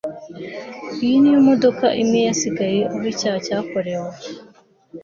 iyi niyo modoka imwe yasigaye aho icyaha cyakorewe